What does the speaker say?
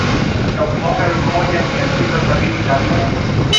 tangu mwaka elfu moja mia tisa sabini na nne